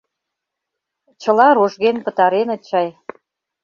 — Чыла рожген пытареныт чай.